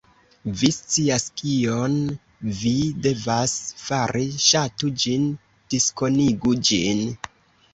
Vi scias kion vi devas fari. Ŝatu ĝin, diskonigu ĝin